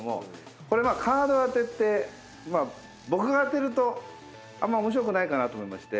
カード当てって僕が当てるとあんま面白くないかなと思いまして。